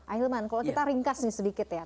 akhilman kalau kita ringkas sedikit ya